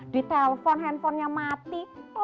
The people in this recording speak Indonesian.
ditelepon handphonenya mati